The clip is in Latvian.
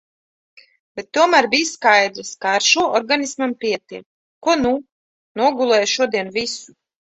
Bet tomēr bija skaidrs, ka ar šo organismam pietiek. Ko nu? Nogulēju šodien visu.